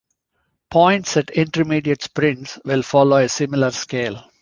Points at intermediate sprints will follow a similar scale.